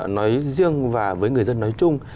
nói riêng và với người dân nói chung